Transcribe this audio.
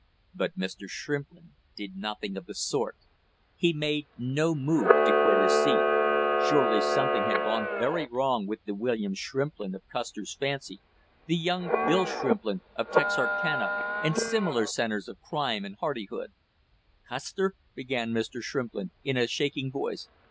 But Mr. Shrimplin did nothing of the sort, he made no move to quit his seat. Surely something had gone very wrong with the William Shrimplin of Custer's fancy, the young Bill Shrimplin of Texarcana and similar centers of crime and hardihood. "Custer " began Mr. Shrimplin, in a shaking voice.